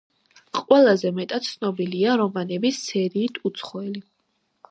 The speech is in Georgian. ყველაზე მეტად ცნობილია რომანების სერიით „უცხოელი“.